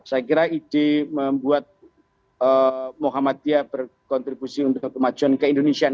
saya kira ide membuat muhammadiyah berkontribusi untuk kemajuan keindonesian